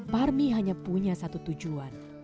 pak armi hanya punya satu tujuan